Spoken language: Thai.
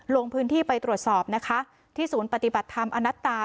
ลงพื้นที่ไปตรวจสอบนะคะที่ศูนย์ปฏิบัติธรรมอนัตตา